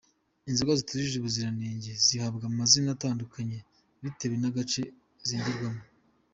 Inzoga zitujuje ubuziranenge zihabwa amazina atandukanye bitewe n’agace zengerwamo.